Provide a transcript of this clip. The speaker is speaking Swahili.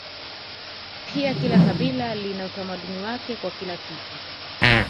Pia kila kabila lina utamaduni wake kwa kila kitu